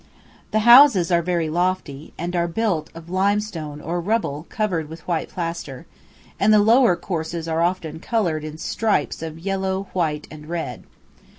The houses are very lofty, and are built of limestone or rubble covered with white plaster, and the lower courses are often coloured in stripes of yellow, white, and red.